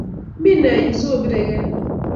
Mi me yuu soobiregei